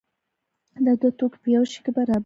دا دوه توکي په یو شي کې برابر دي.